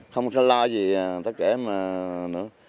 không có lo gì tất cả nữa